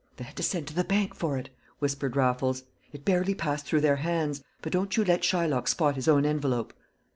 "They had to send to the bank for it," whispered Raffles. "It barely passed through their hands. But don't you let Shylock spot his own envelope!"